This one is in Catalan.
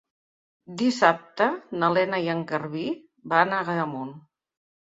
Dissabte na Lena i en Garbí van a Agramunt.